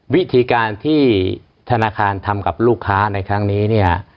วิธีการที่ธนาคารทำกับลูกค้าในครั้งนี้เนี่ย